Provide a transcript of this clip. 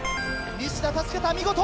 西田助けた見事。